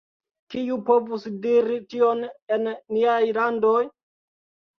Kiu povus diri tion en niaj landoj?